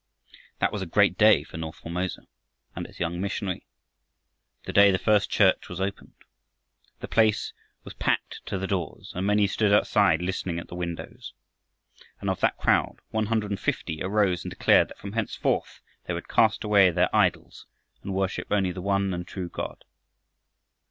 That was a great day for north Formosa and its young missionary, the day the first church was opened. The place was packed to the doors, and many stood outside listening at the windows. And of that crowd one hundred and fifty arose and declared that from henceforth they would cast away their idols and worship only the one and true God.